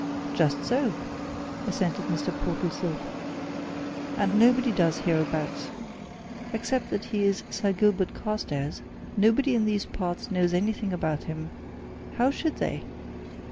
"Just so!" assented Mr. Portlethorpe. "And nobody does hereabouts. Except that he is Sir Gilbert Carstairs, nobody in these parts knows anything about him how should they?